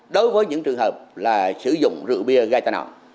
đối với những trường hợp là sử dụng rượu bia gây tai nạn